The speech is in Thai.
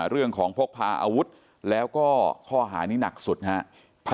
พกพาอาวุธแล้วก็ข้อหานี้หนักสุดนะครับ